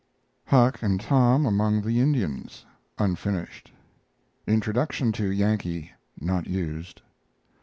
HUCK AND TOM AMONG THE INDIANS (unfinished). Introduction to YANKEE (not used).